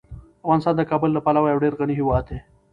افغانستان د کابل له پلوه یو ډیر غني هیواد دی.